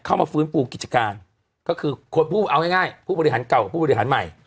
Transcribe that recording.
เข้ามาฟื้นฟูกิจการก็คือควรพูดเอาง่ายผู้บริหารเก่ากับผู้บริหารใหม่